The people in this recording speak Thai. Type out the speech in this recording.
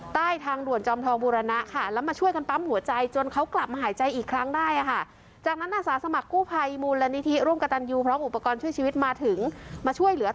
ใต้ทางหวั่นจำทองบูรณะค่ะ